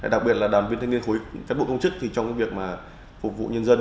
đặc biệt là đoàn viên thanh niên khối các bộ công chức trong việc phục vụ nhân dân